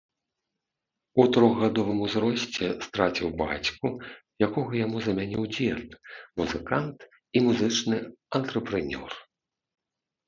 У трохгадовым узросце страціў бацьку, якога яму замяніў дзед, музыкант і музычны антрэпрэнёр.